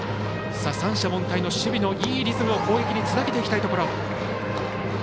三者凡退の守備のいいリズムを攻撃につなげていきたいところ。